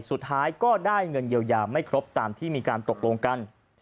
สุดท้ายก็ได้เงินเยียวยาไม่ครบตามที่มีการตกลงกัน